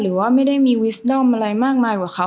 หรือว่าไม่ได้มีวิสดอมอะไรมากมายกว่าเขา